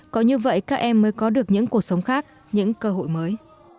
có như vậy các em mới có được những cuộc sống khác những cơ hội mới